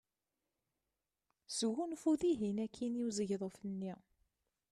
Sgunfu dihin akkin i uzegḍuf-nni.